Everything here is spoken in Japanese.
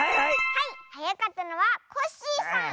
はいはやかったのはコッシーさん！